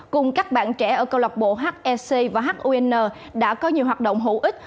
cùng các bạn trẻ ở câu lọc bộ hec và hun đã có nhiều hoạt động hữu ích